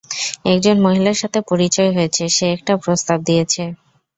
একজন মহিলার সাথে পরিচয় হয়েছে, সে একটা প্রস্তাব দিয়েছে।